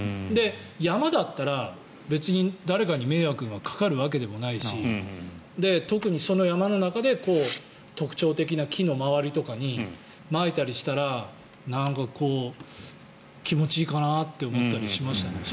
山だったら別に誰かに迷惑がかかるわけでもないし特にその山の中で特徴的な木の周りとかにまいたりしたらなんかこう、気持ちいいかなって思ったりしました。